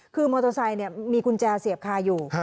คือมอเตอร์ไซค์มีกุญแจเสียบคาอยู่